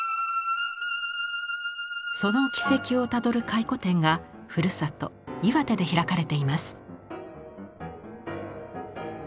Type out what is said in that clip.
その軌跡をたどる回顧展がふるさと岩手で開かれています。